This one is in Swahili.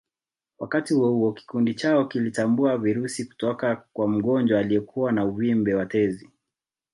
Wakati huohuo kikundi chao kilitambua virusi kutoka kwa mgonjwa aliyekuwa na uvimbe wa tezi